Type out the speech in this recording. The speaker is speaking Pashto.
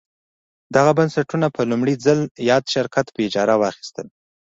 دغه بنسټونه په لومړي ځل یاد شرکت په اجاره واخیستل.